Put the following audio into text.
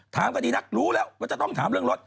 ถามก็ดีนักรู้แล้วว่าจะต้องถามเรื่องรถ